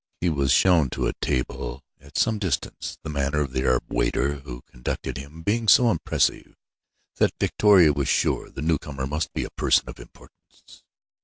He was shown to a table at some distance, the manner of the Arab waiter who conducted him being so impressive, that Victoria was sure the newcomer must be a person of importance.